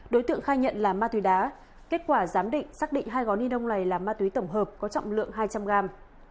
đối tượng khai nhận là ma túy đá kết quả giám định xác định hai gói ni lông này là ma túy tổng hợp có trọng lượng hai trăm linh gram